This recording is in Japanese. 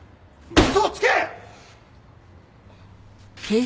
嘘をつけ！